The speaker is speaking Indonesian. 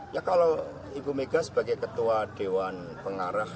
ya kalau ibu mega sebagai ketua dewan pengarah